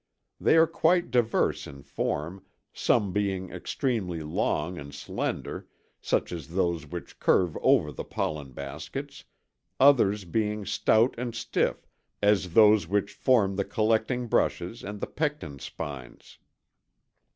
They are quite diverse in form, some being extremely long and slender, such as those which curve over the pollen baskets, others being stout and stiff, as those which form the collecting brushes and the pecten spines.